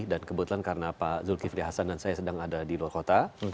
dan kebetulan karena pak zulkifli hasan dan saya sedang ada di luar kota